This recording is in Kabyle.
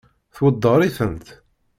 Tweddeṛ-itent?